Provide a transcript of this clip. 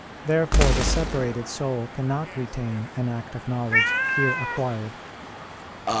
Therefore the separated soul cannot retain an act of knowledge here acquired.